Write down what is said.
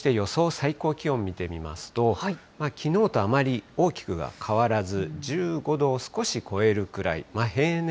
最高気温見てみますと、きのうとあまり大きくは変わらず、１５度を少し超えるくらい。